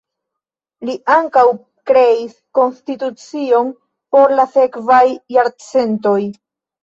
Li ankaŭ kreis konstitucion por la sekvaj jarcentoj.